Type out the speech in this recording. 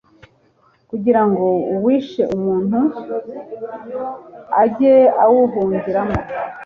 kugira ngo uwishe umuntu p ajye awuhungiramo